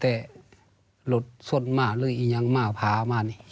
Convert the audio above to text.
แต่รถส้นมารึยังมาพามานี่